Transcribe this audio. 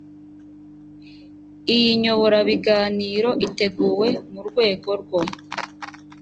iyi nyoborabiganiro iteguwe mu rwego rwo